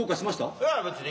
いや別に。